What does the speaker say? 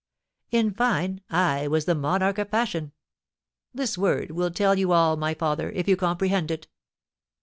In fine, I was the monarch of fashion. This word will tell you all, my father, if you comprehend it."